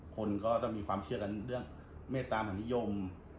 คนก็ต้องมีความเชื่อกันเรื่องเมตตามหานิยม